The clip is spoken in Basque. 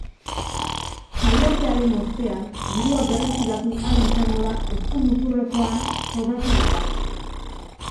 Jaialdiaren ostean, dirua berreskuratu ahal izango da eskumuturrekoan sobratu bada.